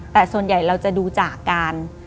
แต่ส่วนใหญ่เราจะดูจากการ